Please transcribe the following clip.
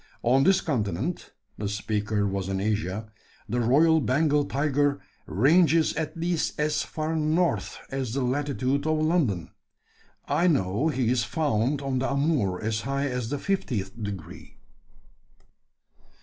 On this continent (the speaker was in Asia) the royal Bengal tiger ranges at least as far north as the latitude of London. I know he is found on the Amoor as high as the fiftieth degree."